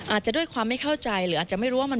อาจจะด้วยความไม่เข้าใจหรืออาจจะไม่รู้ว่ามัน